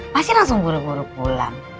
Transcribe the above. pasti langsung buruk buruk pulang